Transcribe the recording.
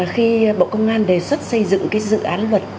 khi bộ công an đề xuất xây dựng cái dự án luật